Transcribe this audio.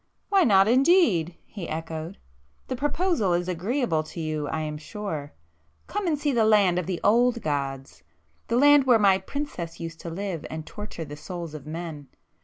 "Why not indeed!" he echoed—"The proposal is agreeable to you I am sure. Come and see the land of the old gods,—the land where my princess used to live and torture the souls of men!